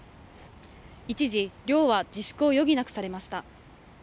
一時、漁は自粛を余儀なくされました。